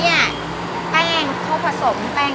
เพราะว่าโรงงานอันนี้